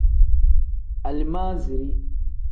Alimaaziri.